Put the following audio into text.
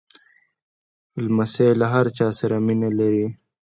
لمسی له هر چا سره مینه لري.